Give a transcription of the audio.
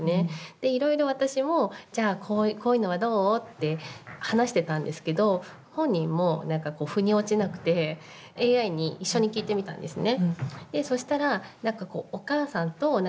で、いろいろ私もじゃあ、こういうのはどう？って話してたんですけど本人も、ふに落ちなくてＡＩに一緒に聞いてみたんですね。